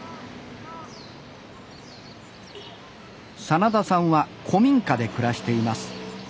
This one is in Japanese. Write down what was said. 真田さんは古民家で暮らしています。